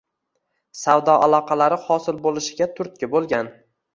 Savdo aloqalari hosil boʻlishiga turtki bo’lgan.